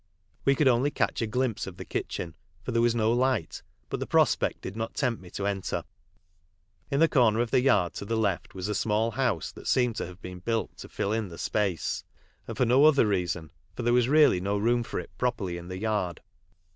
We could only catch a glimpse of the kitchen, for there was no light, but the prospect did not tempt me to enter. In the corner of the yard, to the left, was a small house that seemed to have been built to fill in the space, and for no other reason, for there was really no room for it properly m the yard.